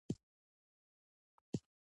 د روزګار زمینه او تولیدات رامینځ ته کیږي.